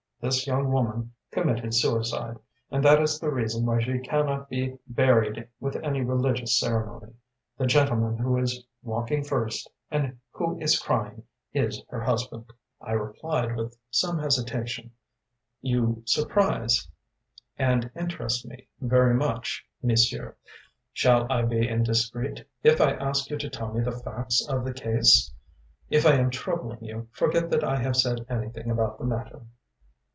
This young woman committed suicide, and that is the reason why she cannot be buried with any religious ceremony. The gentleman who is walking first, and who is crying, is her husband.‚ÄĚ I replied with some hesitation: “You surprise and interest me very much, monsieur. Shall I be indiscreet if I ask you to tell me the facts of the case? If I am troubling you, forget that I have said anything about the matter.